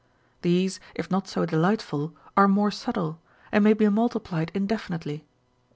These, if not so delightful, are more subtle, and may be nultiplied indefinitely.